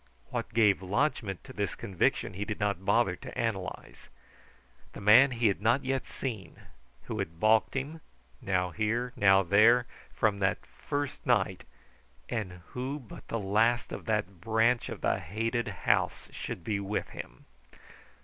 What gave lodgment to this conviction he did not bother to analyze. The man he had not yet seen, who had balked him, now here, now there, from that first night; and who but the last of that branch of the hated house should be with him?